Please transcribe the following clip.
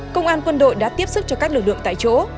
công an quân đội đã tiếp sức cho các lực lượng tại chỗ